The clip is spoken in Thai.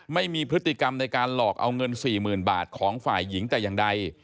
ไม่มีพฤติกรรมในการหลอกเอาเงิน๔๐๐๐บาทของฝ่ายหญิงแต่อย่างใด